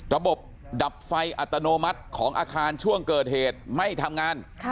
ระบบดับไฟอัตโนมัติของอาคารช่วงเกิดเหตุไม่ทำงาน